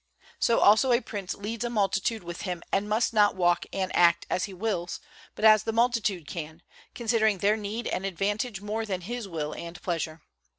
So also a prince leads a multitude with him and must not walk and act as he wills, but as the multitude can, considering their need and advantage more than his will and pleasure.